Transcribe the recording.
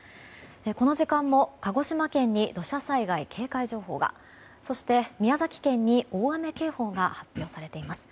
この時間も鹿児島県に土砂災害警戒情報がそして宮崎県に大雨警報が発表されています。